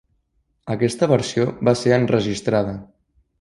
Aquesta versió va ser enregistrada.